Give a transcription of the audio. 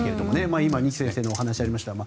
今、二木先生のお話にもありましたが。